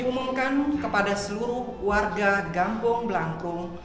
diumumkan kepada seluruh warga gampong blankrum